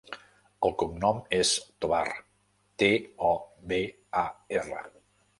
El cognom és Tobar: te, o, be, a, erra.